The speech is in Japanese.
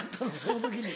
その時に。